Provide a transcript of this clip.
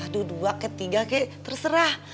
dua ketiga terserah